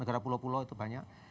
negara pulau pulau itu banyak